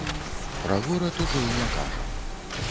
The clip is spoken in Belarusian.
Пра горад ужо і не кажам.